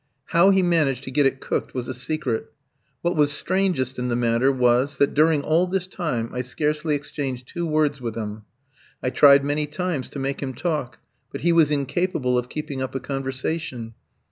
How he managed to get it cooked was a secret. What was strangest in the matter was, that during all this time I scarcely exchanged two words with him. I tried many times to make him talk, but he was incapable of keeping up a conversation.